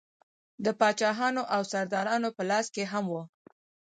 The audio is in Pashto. د پاچاهانو او سردارانو په لاس کې هم وه.